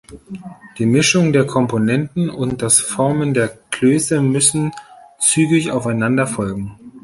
Die Mischung der Komponenten und das Formen der Klöße müssen zügig aufeinander folgen.